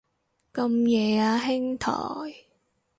咁夜啊兄台